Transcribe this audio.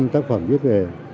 năm tác phẩm viết về